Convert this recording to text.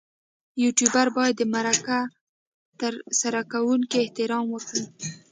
یوټوبر باید د مرکه ترسره کوونکي احترام وکړي.